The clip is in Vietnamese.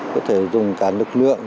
có thể dùng cả lực lượng